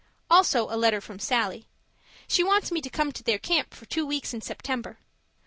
Also a letter from Sallie. She wants me to come to their camp for two weeks in September.